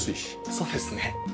そうですね。